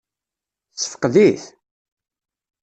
Tessefqed-it?